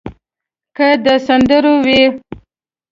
که د سندرو وي.